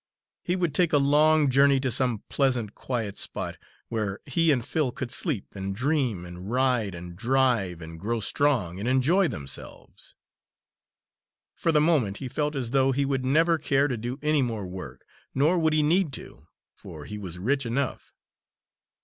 He would take a long journey to some pleasant, quiet spot, where he and Phil could sleep, and dream and ride and drive and grow strong, and enjoy themselves. For the moment he felt as though he would never care to do any more work, nor would he need to, for he was rich enough.